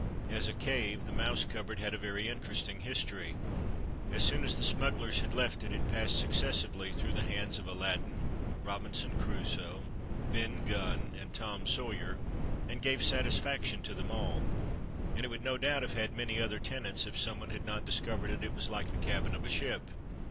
As a cave the mouse cupboard had a very interesting history. As soon as the smugglers had left it, it passed successively through the hands of Aladdin, Robinson Crusoe, Ben Gunn, and Tom Sawyer, and gave satisfac tion to them all, and it would no doubt have had many other tenants if some one had not discovered that it was like the cabin of a ship.